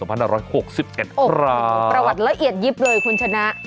ประวัติละเอียดยิบเลยคุณชนะ